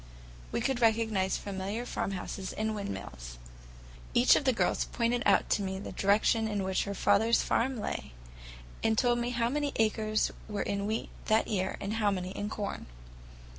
We could recognize familiar farmhouses and windmills. Each of the girls pointed out to me the direction in which her father's farm lay, and told me how many acres were in wheat that year and how many in corn.